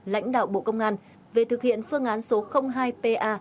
lãnh đạo bộ công an về thực hiện phương án số hai pa